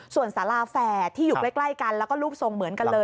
ส่วนสาราแฝดที่อยู่ใกล้กันแล้วก็รูปทรงเหมือนกันเลย